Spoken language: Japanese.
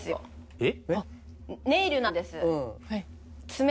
えっ！